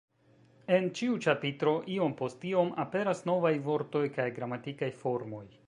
En ĉiu ĉapitro iom post iom aperas novaj vortoj kaj gramatikaj formoj.